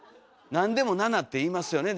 なんでも「七」っていいますよね